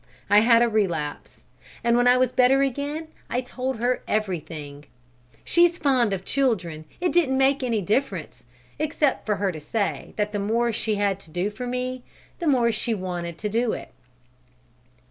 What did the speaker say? I had a relapse, and when I was better again I told her everything. She's fond of children. It didn't make any difference, except for her to say that the more she had to do for me, the more she wanted to do it."